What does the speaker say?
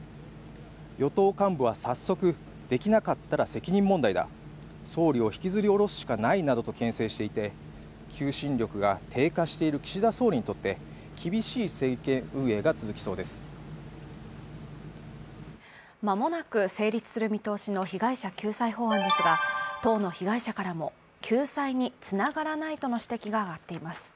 与党幹部は早速、できなかったら責任問題だ、総理を引きずり下ろすしかないなどとけん制していて求心力が低下している岸田総理にとって、間もなく成立する見通しの被害者救済法案ですが、当の被害者からも救済につながらないなどの指摘が上がっています。